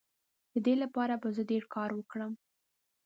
د دې لپاره به زه ډیر کار وکړم.